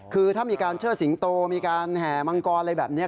คือถ้ามีการเชิดสิงโตมีการแห่มังกรอะไรแบบนี้